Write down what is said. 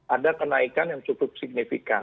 ada kenaikan yang cukup signifikan